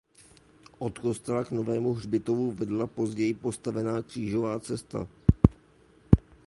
Od kostela k novému hřbitovu vedla později postavená křížová cesta.